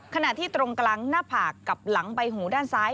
ขณะที่ตรงกลางหน้าผากกับหลังใบหูด้านซ้าย